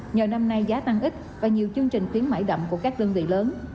nhờ năm nay giá tăng ít và nhiều chương trình tiến mãi đậm của các đơn vị lớn